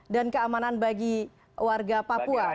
dan keamanan bagi warga papua